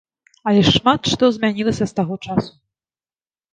Але шмат што змянілася з таго часу.